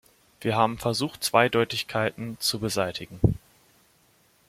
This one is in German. Wir haben versucht, Zweideutigkeiten zu beseitigen.